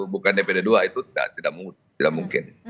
bukan dpd dua itu tidak mungkin